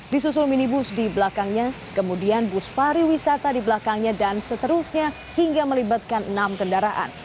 disusul minibus di belakangnya kemudian bus pariwisata di belakangnya dan seterusnya hingga melibatkan enam kendaraan